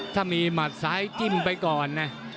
ถ้ามีหมัดซ้ายจิ้มไปก่อนนะ